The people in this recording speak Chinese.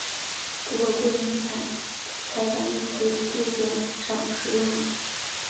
不过固定财产一词日渐少使用了。